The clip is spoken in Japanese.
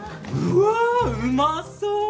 うわうまそう！